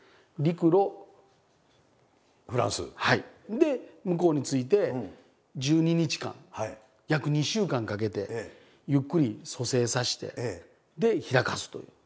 で向こうに着いて１２日間約２週間かけてゆっくり蘇生させてで開かすという。